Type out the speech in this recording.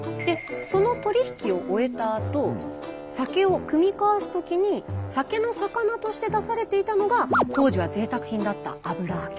その取り引きを終えたあと酒をくみ交わすときに酒の肴として出されていたのが当時はぜいたく品だった油揚げ。